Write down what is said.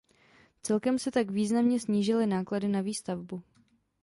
Celkem se tak významně snížily náklady na výstavbu.